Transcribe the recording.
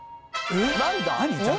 何だ？